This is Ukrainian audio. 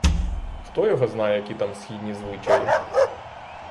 Хто його зна, які там східні звичаї!